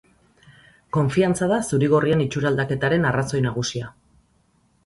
Konfiantza da zuri-gorrien itxuraldaketaren arrazoi nagusia.